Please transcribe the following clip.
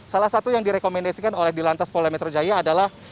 salah satu yang direkomendasikan oleh di lantas polda metro jaya adalah